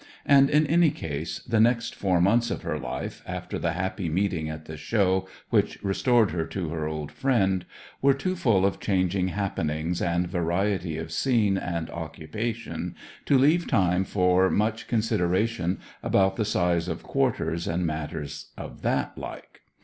And in any case, the next four months of her life, after the happy meeting at the Show which restored her to her old friend, were too full of changing happenings and variety of scene and occupation to leave time for much consideration about the size of quarters, and matters of that like.